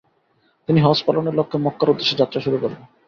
তিনি হজ্জ পালনের লক্ষ্যে মক্কার উদ্দেশ্যে যাত্রা শুরু করেন।